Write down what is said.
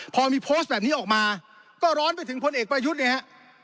พอมีโพสต์แบบนี้ออกมาก็ร้อนไปถึงพลเอกประยุทธ์เนี่ยฮะ